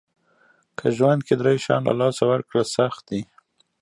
که ژوند کې درې شیان له لاسه ورکړل سخت دي.